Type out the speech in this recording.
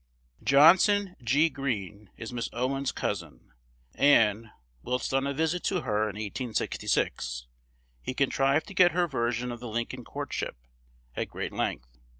Johnson G. Greene is Miss Owens's cousin; and, whilst on a visit to her in 1866, he contrived to get her version of the Lincoln courtship at great length.